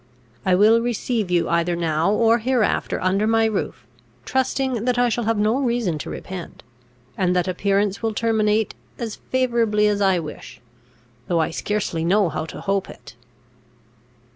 I will receive you, either now or hereafter, under my roof, trusting that I shall have no reason to repent, and that appearances will terminate as favourably as I wish, though I scarcely know how to hope it."